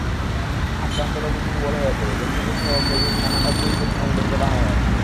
আক্রান্ত রোগী দুর্বল হয়ে পড়ে, যকৃতসহ শরীরের নানা অভ্যন্তরীণ অঙ্গে প্রদাহ হয়।